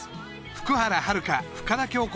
福原遥・深田恭子